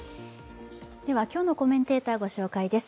今日のコメンテーターご紹介です。